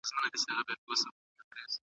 د مېوو استعمال د بدن کمزورتیا له منځه وړي.